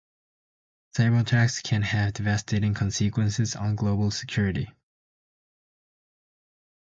Cyber-attacks can have devastating consequences on global security.